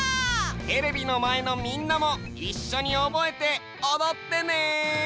テレビのまえのみんなもいっしょにおぼえておどってね！